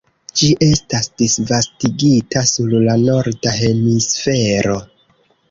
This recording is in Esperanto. Ĝi estas disvastigita sur la norda hemisfero.